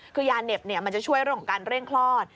คือยาเหน็บมันจะช่วยเรื่องของการเร่งคลอด